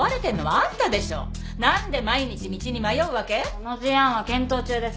その事案は検討中です。